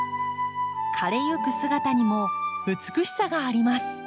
枯れゆく姿にも美しさがあります。